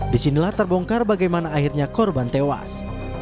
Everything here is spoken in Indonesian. disinilah terbongkar bagaimana akhirnya korban tewas